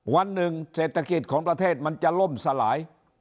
วันหนึ่งเศรษฐกิจของประเทศมันจะล่มสลาย